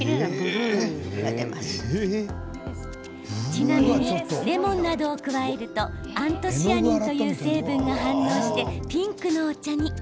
ちなみに、レモンなどを加えるとアントシアニンという成分が反応して、ピンクのお茶に。